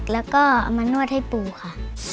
แล้วก็เอามานวดให้ปูค่ะ